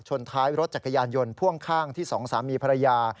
ท้ายรถจักรยานยนต์พ่วงข้างที่สองสามีภรรยา